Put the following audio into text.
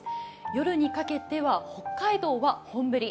夜にかけては北海道は本降り。